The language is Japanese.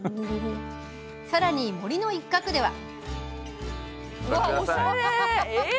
さらに、森の一角では。